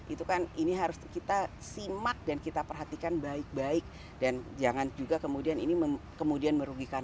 itu kan ini harus kita simak dan kita perhatikan baik baik dan jangan juga kemudian ini kemudian merugikan